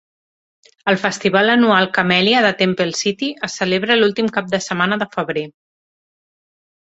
El Festival Anual Camellia de Temple City es celebra l'últim cap de setmana de febrer.